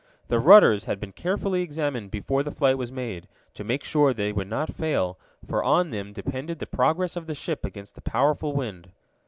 The rudders had been carefully examined before the flight was made, to make sure they would not fail, for on them depended the progress of the ship against the powerful wind.